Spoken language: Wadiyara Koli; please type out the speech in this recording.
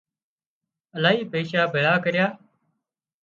الاهي پئيشا ڀيۯا ڪريا